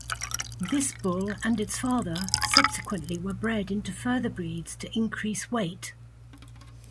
This bull and its father subsequently were bred into further breeds to increase weight.